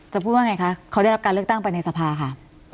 พูดว่าไงคะเขาได้รับการเลือกตั้งไปในสภาค่ะ